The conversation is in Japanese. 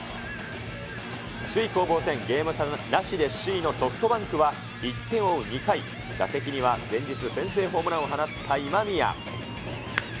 首位攻防戦、ゲーム差なしで首位のソフトバンクは、１点を追う２回、打席には前日先制ホームランを放った今宮。